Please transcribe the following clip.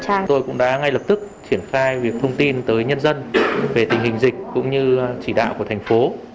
chúng tôi cũng đã ngay lập tức triển khai việc thông tin tới nhân dân về tình hình dịch cũng như chỉ đạo của thành phố